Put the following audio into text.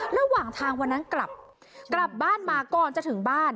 ระหว่างทางวันนั้นกลับกลับบ้านมาก่อนจะถึงบ้าน